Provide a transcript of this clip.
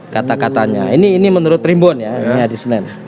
kata katanya ini menurut perimpunan ya di senin